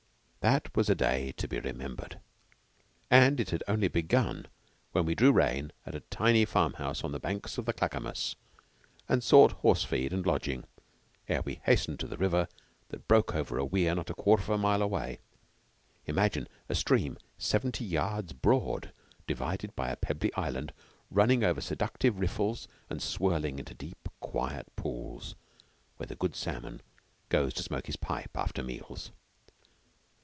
That was a day to be remembered, and it had only begun when we drew rein at a tiny farm house on the banks of the Clackamas and sought horse feed and lodging, ere we hastened to the river that broke over a weir not a quarter of a mile away. Imagine a stream seventy yards broad divided by a pebbly island, running over seductive "riffles" and swirling into deep, quiet pools, where the good salmon goes to smoke his pipe after meals.